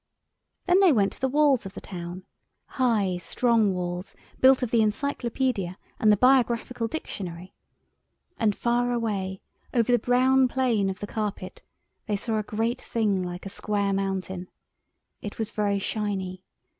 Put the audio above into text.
Then they went to the walls of the town—high, strong walls built of the Encyclopedia and the Biographical Dictionary—and far away over the brown plain of the carpet they saw a great thing like a square mountain. It was very shiny.